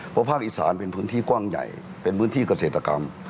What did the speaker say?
เพราะภาคอีสานเป็นพื้นที่กว้างใหญ่เป็นพื้นที่เกษตรกรรม